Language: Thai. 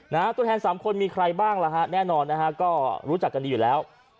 ตัวแทนสามคนมีใครบ้างล่ะฮะแน่นอนนะฮะก็รู้จักกันดีอยู่แล้ว